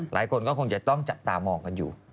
หลายคนก็คงจะต้องจับตามองกันอยู่